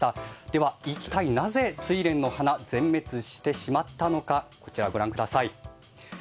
では一体なぜスイレンの花が全滅してしまったのかこちらをご覧ください。